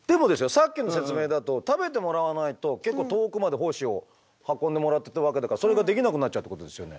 さっきの説明だと食べてもらわないと結構遠くまで胞子を運んでもらってたわけだからそれができなくなっちゃうってことですよね。